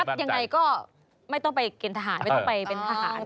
ยังไงก็ไม่ต้องไปเกณฑหารไม่ต้องไปเป็นทหาร